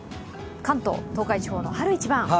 関東・東海地方の春一番！